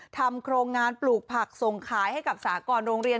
ทำโครงงานปลูกผักส่งขายให้กับสากรโรงเรียน